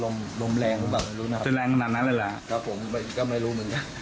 ลมลมแรงหรือเปล่าไม่รู้นะครับคือแรงขนาดนั้นเลยแหละครับผมก็ไม่รู้เหมือนกัน